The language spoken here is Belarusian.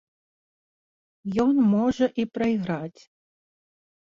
Ён можа і прайграць.